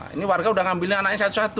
ini warga udah ngambilnya anaknya satu satu